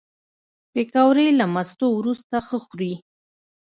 پکورې له مستو وروسته ښه خوري